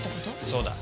そうだ。